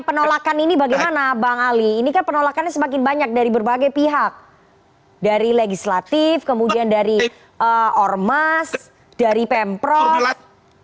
penolakan ini bagaimana bang ali ini kan penolakannya semakin banyak dari berbagai pihak dari legislatif kemudian dari ormas dari pemprov